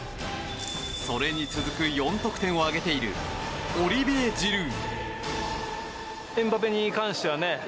それに続く４得点を挙げているオリビエ・ジルー。